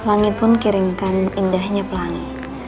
langit pun kirimkan indahnya pelangi